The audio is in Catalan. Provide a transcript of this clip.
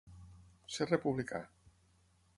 Ser republicà.